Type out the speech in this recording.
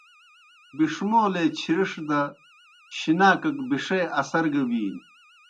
بِݜمولے چِھرِݜ دہ شِناکَک بِݜِے اثر گہ بِینیْ۔